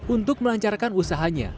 untuk melancarkan usahanya